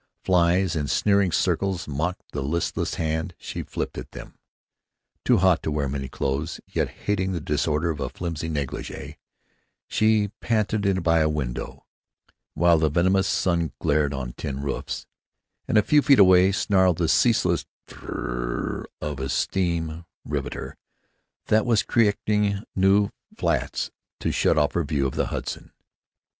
Flies in sneering circles mocked the listless hand she flipped at them. Too hot to wear many clothes, yet hating the disorder of a flimsy negligée, she panted by a window, while the venomous sun glared on tin roofs, and a few feet away snarled the ceaseless trrrrrr of a steam riveter that was erecting new flats to shut off their view of the Hudson.